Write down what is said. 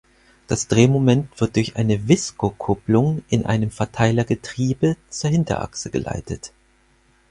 Das Drehmoment wird durch eine Visco-Kupplung in einem Verteilergetriebe zur Hinterachse geleitet.